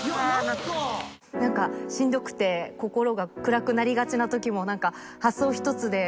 何かしんどくて心が暗くなりがちな時も。